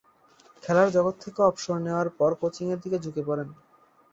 খেলার জগৎ থেকে অবসর নেয়ার পর কোচিংয়ের দিকে ঝুঁকে পড়েন।